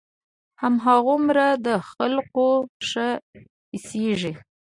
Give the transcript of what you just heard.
هماغومره د خلقو ښه اېسېږي.